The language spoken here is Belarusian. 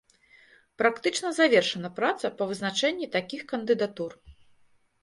Практычна завершана праца па вызначэнні такіх кандыдатур.